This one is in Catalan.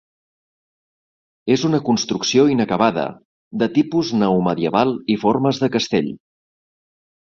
És una construcció inacabada de tipus neomedieval i formes de castell.